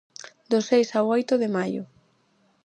Do seis ao oito de maio.